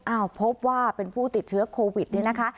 พบว่าเป็นผู้ติดเชื้อโควิดนี่นะคะ